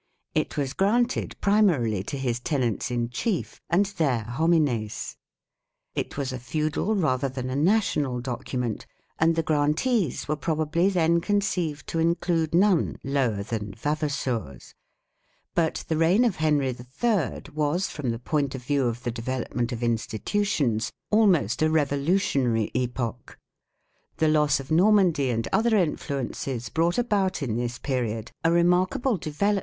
It was granted primarily to his tenants in chief and their " homines ". It was a feudal rather than a national document, and the grantees were probably then conceived to include none lower than " vavassores ". 2 But the reign of Henry III was from the point of view of the develop ment of institutions, almost a revolutionary epoch, The loss of Normandy and other influences brought about in this period a remarkable development of the lu Year Book," Pasch.